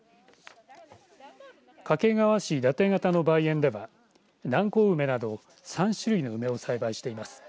掛川市伊達方の梅園では南高梅など３種類の梅を栽培しています。